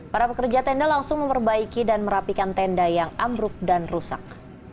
para pekerja tenda langsung memperbaiki dan merapikan tenda yang ambruk dan rusak